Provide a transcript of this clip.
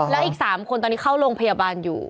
แล้วอีก๓คนตอนนี้เข้าโรงพยาบาลอยู่